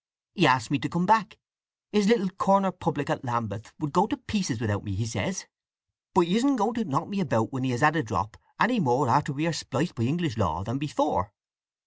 "He asks me to come back. His little corner public in Lambeth would go to pieces without me, he says. But he isn't going to knock me about when he has had a drop, any more after we are spliced by English law than before!